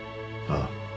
ああ。